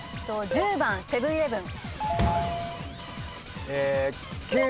９番セブン−イレブン。